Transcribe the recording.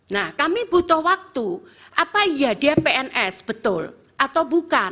nah kami butuh waktu apa ya dia pns betul atau bukan